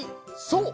そう！